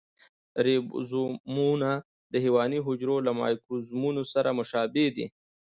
رایبوزومونه د حیواني حجرو له مایکروزومونو سره مشابه دي.